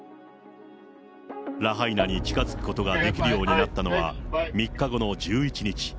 ラハイナに近づくことができるようになったのは、３日後の１１日。